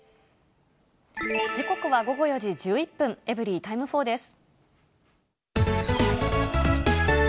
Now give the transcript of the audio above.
時刻は午後４時１１分、エブリィタイム４です。